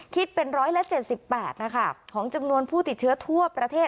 คิดเป็นร้อยและเจ็ดสิบแปดนะคะของจำนวนผู้ติดเชื้อทั่วประเทศ